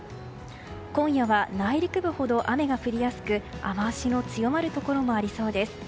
今夜は内陸部ほど雨が降りやすく雨脚の強まるところもありそうです。